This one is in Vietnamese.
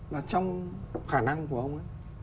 là trong khả năng của ông ấy